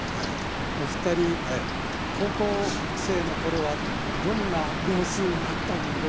お二人高校生の頃はどんな様子だったんでしょうねえ？